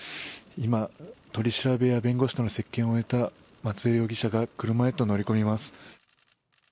今、取り調べや弁護士との接見を終えた松江容疑者が車へと乗り込みます。